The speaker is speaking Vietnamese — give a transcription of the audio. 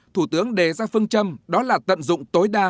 thủ tướng đề ra phương châm đó là tận dụng tối đa